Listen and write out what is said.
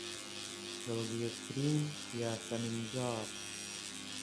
دڵگیرترین یاسەمینجاڕ